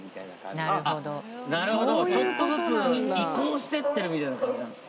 なるほどちょっとずつ移行してってるみたいな感じなんですか